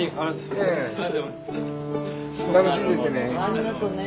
ありがとうね。